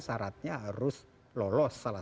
syaratnya harus lolos salah